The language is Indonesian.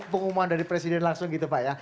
pengumuman dari presiden langsung gitu pak ya